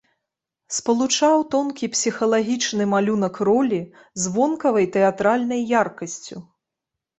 Спалучаў тонкі псіхалагічны малюнак ролі з вонкавай тэатральнай яркасцю.